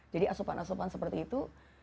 jadi asupan asupan seperti itu